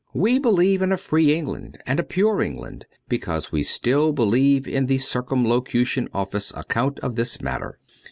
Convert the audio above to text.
We believe in a free England and a pure England, because we still believe in the Circumlocution Office account of this matter.